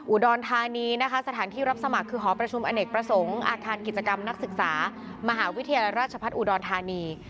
อุดรธานีนะคะสถานที่รับสมัครคือหอประชุมอเนกประสงค์อาคารกิจกรรมนักศึกษามหาวิทยาลัยราชพัฒน์อุดรธานี